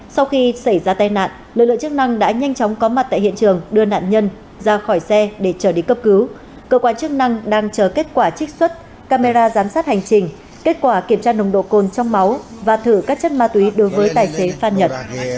sau khi xảy ra tai nạn lực lượng chức năng đã nhanh chóng có mặt tại hiện trường đưa nạn nhân ra khỏi xe để trở đi cấp cứu cơ quan chức năng đang chờ kết quả trích xuất camera giám sát hành trình kết quả kiểm tra nồng độ cồn trong máu và thử các chất ma túy đối với tài xế phan nhật